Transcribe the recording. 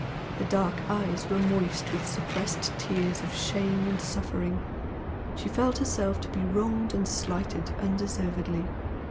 Her dark eyes were moist with suppressed tears of shame and suffering, she felt herself to be wronged and slighted undeservedly.